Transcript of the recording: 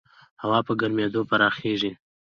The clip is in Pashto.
هوا په ګرمېدو پراخېږي.